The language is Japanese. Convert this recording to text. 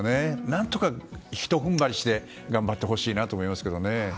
何とかひと踏ん張りして頑張ってほしいなと思います。